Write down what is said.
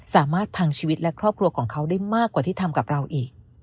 สามารถพังชีวิตและครอบครัวของเขาได้มากกว่าที่ทำกับเราอีก